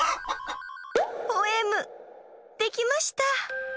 ポエムできました！